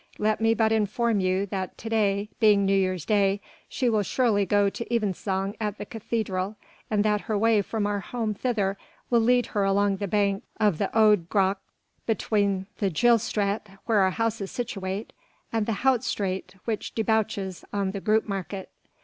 Let me but inform you that to day being New Year's day she will surely go to evensong at the cathedral and that her way from our home thither will lead her along the bank of the Oude Gracht between the Zijl Straat where our house is situate and the Hout Straat which debouches on the Groote Markt.